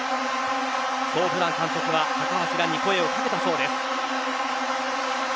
そう、ブラン監督は高橋に声を掛けたそうです。